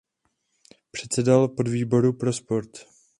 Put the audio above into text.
Předsedal podvýboru pro sport.